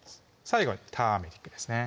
最後にターメリックですね